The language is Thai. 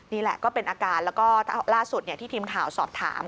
นี่แหละก็เป็นอาการแล้วก็ล่าสุดที่ทีมข่าวสอบถาม